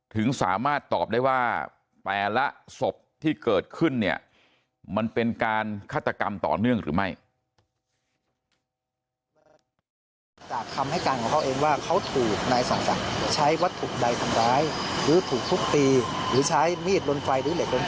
ถึงสามารถตอบได้ว่าแต่ละศพที่เกิดขึ้นเนี่ยมันเป็นการฆาตกรรมต่อเนื่องหรือไม่